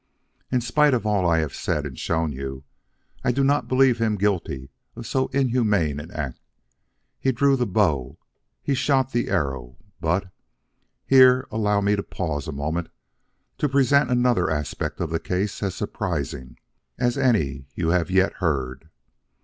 In spite of all I have said and shown you, I do not believe him guilty of so inhuman an act. He drew the bow, he shot the arrow, but Here allow me to pause a moment to present another aspect of the case as surprising as any you have yet heard.